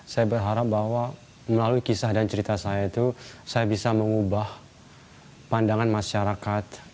saya berharap bahwa melalui kisah dan cerita saya itu saya bisa mengubah pandangan masyarakat